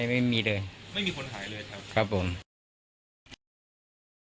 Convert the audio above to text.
แล้วไอ้พระม่าก็เก็บกระเป๋าเดินลงมาเลย